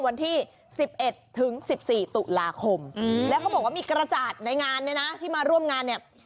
วันที่๑๑ถึง๑๔ตุลาคมแล้วเขาบอกว่ามีกระจาดในงานเนี่ยนะที่มาร่วมงานเนี่ย